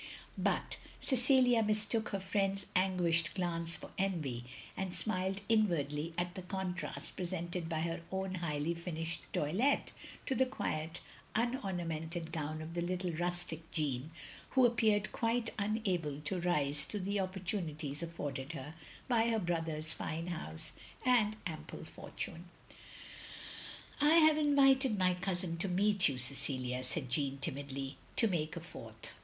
But Cecilia mistook her friend's anguished glance for envy, and smiled inwardly at the contrast presented by her own highly finished toilette to the quiet un omamented gown of the little rustic Jeanne, who appeared quite unable to rise to the op portunities afforded her, by her brother's fine house and ample fortune. " I have invited my cousin to meet you, Cecilia, " said Jeanne, timidly, "to make a fourth.